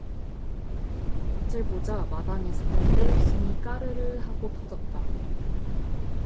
그것을 보자 마당에서는 떼웃음이 까르르 하고 터졌다.